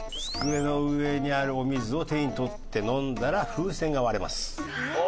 机の上にあるお水を手に取って飲んだら風船が割れます。